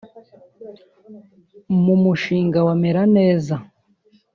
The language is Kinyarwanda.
“ Mu mushinga wa Meraneza